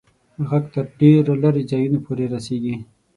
ږغ تر ډېرو لیري ځایونو پوري رسیږي.